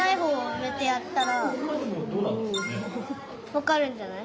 わかるんじゃない？